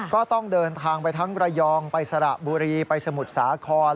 ก็ต้องเดินทางไปทั้งระยองไปสระบุรีไปสมุทรสาคร